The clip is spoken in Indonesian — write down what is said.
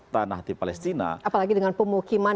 tanah di palestina apalagi dengan pemukiman